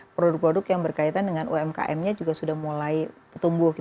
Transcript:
produk produk yang berkaitan dengan umkm nya juga sudah mulai tumbuh